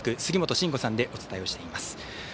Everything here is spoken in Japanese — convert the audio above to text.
杉本真吾さんでお伝えをしています。